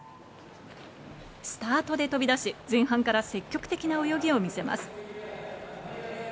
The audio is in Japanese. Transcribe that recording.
スタートで飛び出し前半から積極的な泳ぎを見せます。